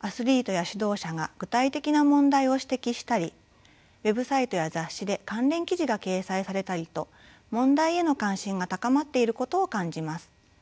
アスリートや指導者が具体的な問題を指摘したりウェブサイトや雑誌で関連記事が掲載されたりと問題への関心が高まっていることを感じます。